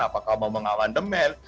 apakah mau mengawal demand